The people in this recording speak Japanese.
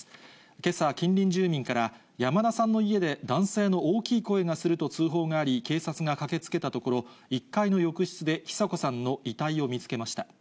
けさ、近隣住民から、山田さんの家で男性の大きい声がすると通報があり、警察が駆けつけたところ、１階の浴室で尚子さんの遺体を見つけました。